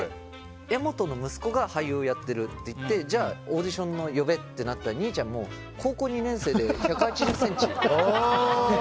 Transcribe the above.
柄本の息子が俳優やってるっていってじゃあオーディション呼べってなったら兄ちゃん、もう高校２年生で１８２ｃｍ。